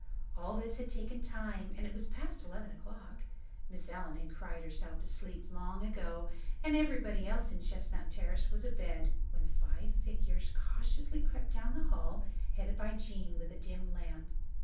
All this had taken time and it was past eleven o'clock. Miss Allen had cried herself to sleep long ago and everybody else in Chestnut Terrace was abed when five figures cautiously crept down the hall, headed by Jean with a dim lamp.